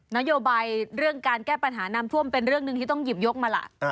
นโยบายเรื่องการแก้ปัญหาน้ำท่วมเป็นเรื่องหนึ่งที่ต้องหยิบยกมาล่ะ